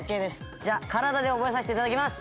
じゃあ体で覚えさしていただきます。